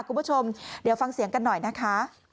คุณผู้ชมเดี๋ยวฟังเสียงกันหน่อยนะคะ